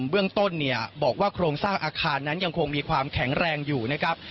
เบื้องต้นเนี่ยบอกว่าโครงสร้างอาคารนั้นยังคงมีความแข็งแรงอยู่นะครับ